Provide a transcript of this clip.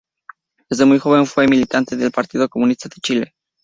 Desde muy joven fue militante del Partido Comunista de Chile.